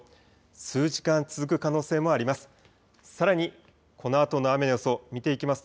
数時間、続く可能性もあります。